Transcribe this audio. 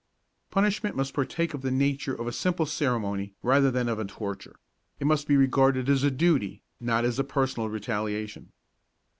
_ Punishment must partake of the nature of a simple ceremony rather than of a torture; it must be regarded as a duty, not as a personal retaliation.